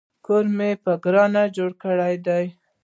کور مې په ګرانه جوړ کړی دی